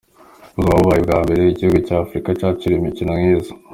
Buzoba bubaye ubwa mbere igihugu ca Afrika cakira inkino nkizo.